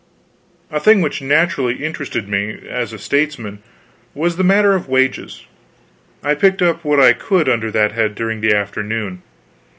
A thing which naturally interested me, as a statesman, was the matter of wages. I picked up what I could under that head during the afternoon.